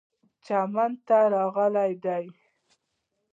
چین راغلی دی.